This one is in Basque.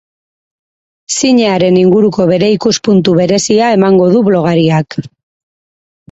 Zinearen inguruko bere ikuspuntu berezia emango du blogariak.